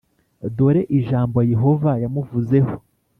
Dore ijambo yehova yamuvuzeho